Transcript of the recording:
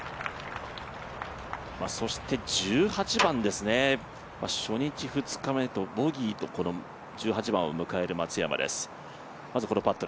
１８番、初日、２日目とボギーと１８番を迎える松山です。